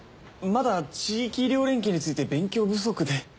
まだ地域医療連携について勉強不足で。